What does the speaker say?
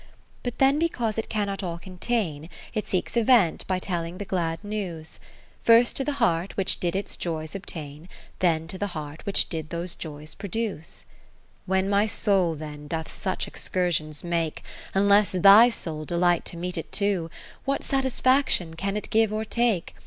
XIII But then because it cannot all contain, It seeks a vent by telling the glad news, 50 ( 555 ) First to the heart which did its joys obtain, Then to the heart which did those joys produce. XIV When my soul then doth such excursions make. Unless thy soul delight to meet it too, What satisfaction can it give or take.